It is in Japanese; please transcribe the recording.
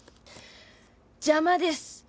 邪魔です。